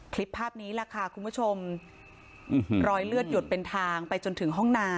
คลิปภาพนี้แหละค่ะคุณผู้ชมรอยเลือดหยดเป็นทางไปจนถึงห้องนา